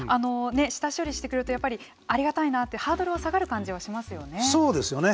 下処理してくれるとありがたいなってハードルが下がる感じはしますよね？